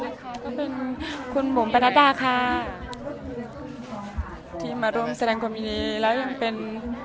แล้วตรงนี้ก็เป็นคุณบุ๋มประณะดาค่ะที่มาร่วมแสดงความยินดีและเป็น